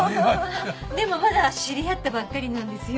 でもまだ知り合ったばっかりなんですよ。